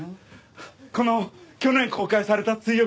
この去年公開された『追憶の死者』。